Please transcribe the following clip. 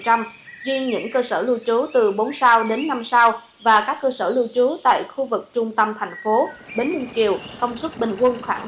tuy nhiên những cơ sở lưu trú từ bốn sao đến năm sao và các cơ sở lưu trú tại khu vực trung tâm tp hcm bến ninh kiều công suất bình quân khoảng tám mươi năm